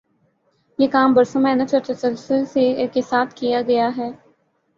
یہ کام برسوں محنت اور تسلسل کے ساتھ کیا گیا ہے۔